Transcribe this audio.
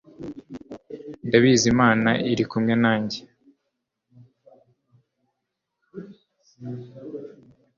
Ndabizi Imana iri kumwe nanjye